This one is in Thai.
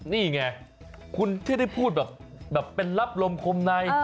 นี่ไงคุณที่ได้พูดแบบเป็นรับลมคมใน